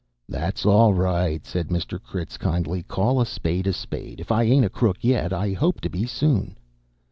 "That's all right," said Mr. Critz kindly. "Call a spade a spade. If I ain't a crook yet, I hope to be soon."